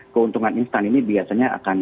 keuntungan instan ini biasanya akan